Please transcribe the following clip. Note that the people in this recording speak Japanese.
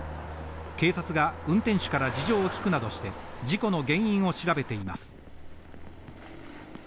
警察が運転手から事情を聞くなどして事故の原因を調べています。